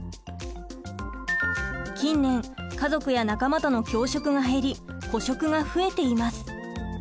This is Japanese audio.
近年家族や仲間との共食が減り個食が増えています。